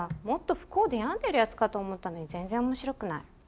もっと不幸で病んでるやつかと思ったのに全然面白くない。